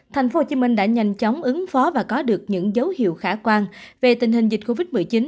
tp hcm đã nhanh chóng ứng phó và có được những dấu hiệu khả quan về tình hình dịch covid một mươi chín